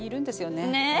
ねえ。